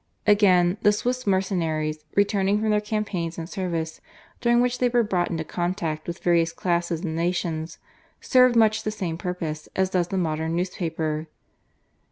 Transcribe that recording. Again, the Swiss mercenaries, returning from their campaigns and service, during which they were brought into contact with various classes and nations, served much the same purpose as does the modern newspaper.